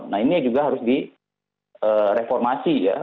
nah ini juga harus direformasi ya